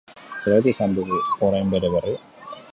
Zergatik izan dugu orain bere berri?